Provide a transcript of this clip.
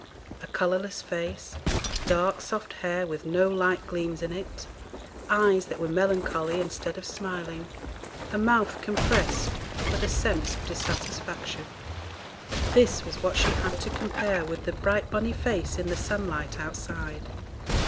a colourless face, dark soft hair with no light gleams in it, eyes that were melancholy instead of smiling, a mouth compressed with a sense of dissatisfaction. This was what she had to compare with the bright bonny face in the sunlight outside.